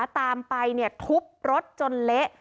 ตามไปทุบรถจนเละ